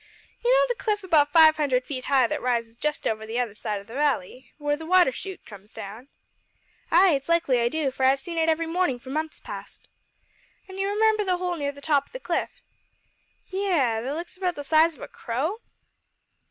"You know the cliff about five hundred feet high that rises just over on the other side o' the valley where the water shoot comes down?" "Ay, it's likely I do, for I've seen it every mornin' for months past." "An' you remember the hole near the top o' the cliff?" "Yes that looks about the size of a crow?"